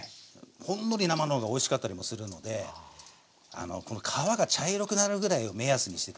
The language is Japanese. ほんのり生の方がおいしかったりもするのでこの皮が茶色くなるぐらいを目安にして下さい。